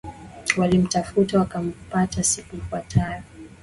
Walimtafuta wakampata siku ifuatayo